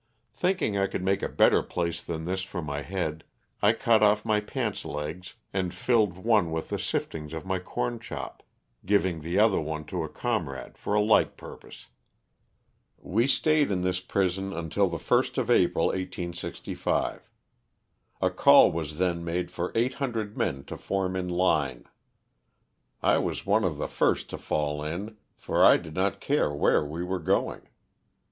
Thinking I could make a better place than this for my head, I cut off my pants legs and filled one with the sif tings of my corn chop, giving the other one to a comrade for a like purpose. We stayed in this prison until the first of April, 1865. A call was then made for 800 men to form in line. I was one of the first to fall in, for I did not care where LOSS OF THE SULTANA. 331 we were going.